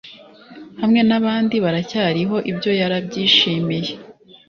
hamwe n'abandi baracyariho ibyo yarabyishimiye